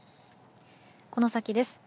この先です。